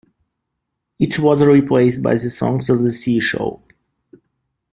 It was replaced by the "Songs of the Sea" show.